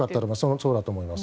そうだと思います。